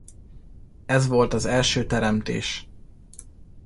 Ez volt az első teremtés.